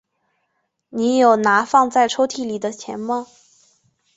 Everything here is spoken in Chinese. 你有拿放在抽屉里的钱吗？